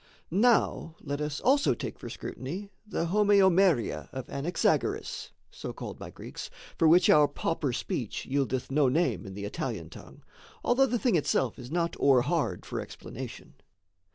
Now let us also take for scrutiny The homeomeria of Anaxagoras, So called by Greeks, for which our pauper speech Yieldeth no name in the Italian tongue, Although the thing itself is not o'erhard For explanation.